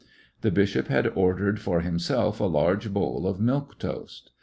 The bishop bad ordered for himself a large bowl of milk toast.